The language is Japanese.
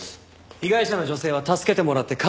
被害者の女性は助けてもらって感謝してました。